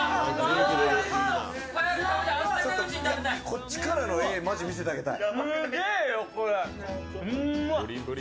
こっちからの画、マジ見せてあげたい。